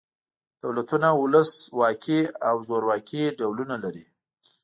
دولتونه ولس واکي او زورواکي ډولونه لري.